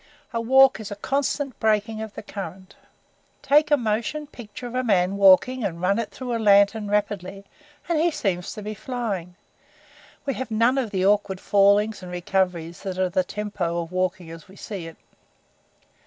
A walk is a constant breaking of the current. "Take a motion picture of a man walking and run it through the lantern rapidly and he seems to be flying. We have none of the awkward fallings and recoveries that are the tempo of walking as we see it.